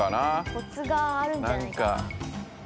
コツがあるんじゃないかな。